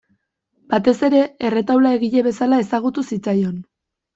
Batez ere erretaula egile bezala ezagutu zitzaion.